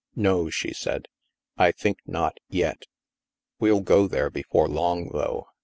"No," she said, "I think not, yet. We'll go there before long, though.